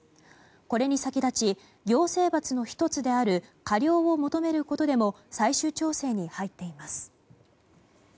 これに先立ち行政罰の１つである過料を求めることでも最終調整に入っています。